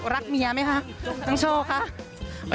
รักเมียไหมคะน้องโชคค่ะ